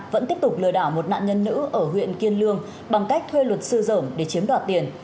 vẫn tiếp tục lừa đảo một nạn nhân nữ ở huyện kiên lương bằng cách thuê luật sư dởm để chiếm đoạt tiền